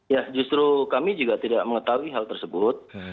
ya justru kami juga tidak mengetahui hal tersebut